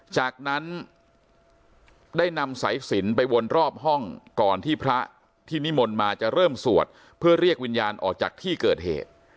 จากนั้นได้นำสายสินไปวนรอบห้องก่อนที่พระที่นิมนต์มาจะเริ่มสวดเพื่อเรียกวิญญาณออกจากที่เกิดเหตุ